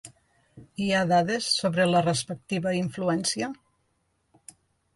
Hi ha dades sobre la respectiva influència?